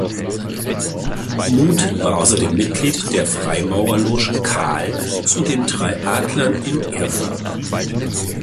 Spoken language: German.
Muth war außerdem Mitglied der Freimaurerloge Carl zu den drei Adlern in Erfurt.